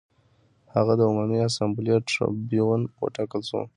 هغه د عمومي اسامبلې ټربیون وټاکل شو